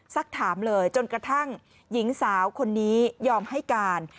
สักถามเลยจนกระทั่งหญิงสาวคนนี้ยอมให้การ